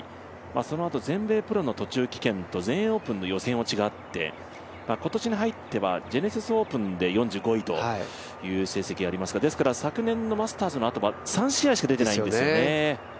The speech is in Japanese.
そのあと全米プロの途中棄権と全英オープンの予選落ちがあって今年に入ってはジェネシスオープンで４５位という成績がありますが、ですから昨年のマスターズのあとは３試合しか出ていないんですよね。